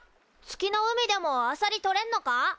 月の海でもあさり採れんのか？